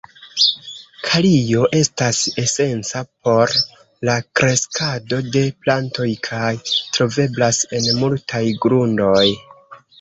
Kalio estas esenca por la kreskado de plantoj kaj troveblas en multaj grundoj.